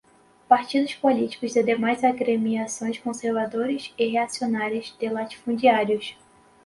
partidos políticos e demais agremiações conservadoras e reacionárias de latifundiários